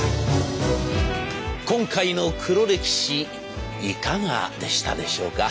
今回の黒歴史いかがでしたでしょうか。